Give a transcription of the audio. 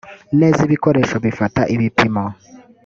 neza ibikoresho bifata ibipimo